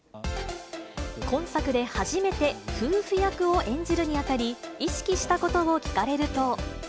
今作で初めて夫婦役を演じるにあたり、意識したことを聞かれると。